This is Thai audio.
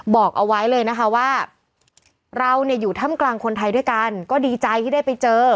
บอกเอาไว้เลยนะคะว่าเราเนี่ยอยู่ถ้ำกลางคนไทยด้วยกันก็ดีใจที่ได้ไปเจอ